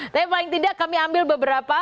tapi paling tidak kami ambil beberapa